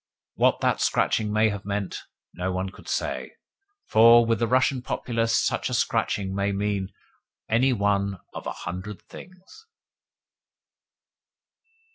What that scratching may have meant no one could say; for, with the Russian populace, such a scratching may mean any one of a hundred things.